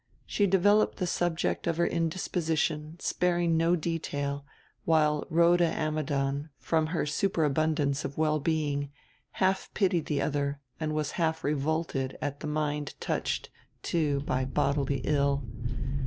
She developed the subject of her indisposition, sparing no detail; while Rhoda Ammidon, from her superabundance of well being, half pitied the other and was half revolted at the mind touched, too, by bodily ill.